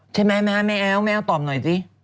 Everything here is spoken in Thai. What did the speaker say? ใช่ไหมแม่เอาตอบหน่อยสิ